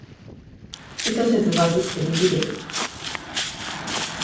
意図せずバズってビビる